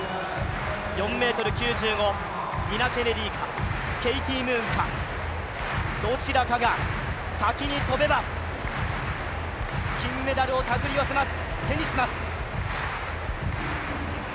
４ｍ９０、ニナ・ケネディか、ケイティ・ムーンか、どちらかが先に跳べば金メダルを手にします。